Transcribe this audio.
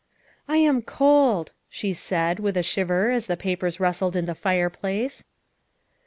" I am cold," she said with a shiver as the papers rustled in the fireplace.